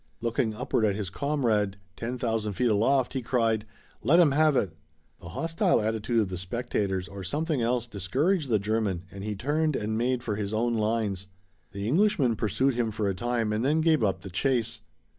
Looking upward at his comrade, ten thousand feet aloft, he cried: "Let him have it!" The hostile attitude of the spectators or something else discouraged the German and he turned and made for his own lines. The Englishman pursued him for a time and then gave up the chase.